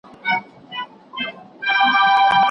په لاس خط لیکل د ژوند د مانا د موندلو سره مرسته کوي.